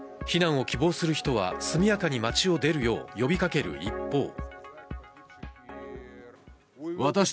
避難を希望する人は速やかに街を出るよう呼びかける一方。